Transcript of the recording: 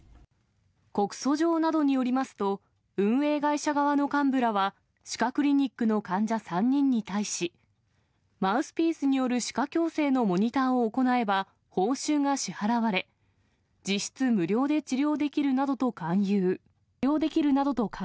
告訴状などによりますと、運営会社側の幹部らは歯科クリニックの患者３人に対し、マウスピースによる歯科矯正のモニターを行えば、報酬が支払われ、実質無料で治療できるなどと勧誘。